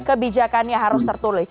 kebijakannya harus tertulis